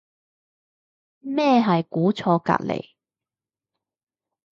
咩係估錯隔離